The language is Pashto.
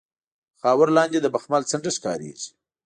خاورو لاندې د بخمل څنډه ښکاریږي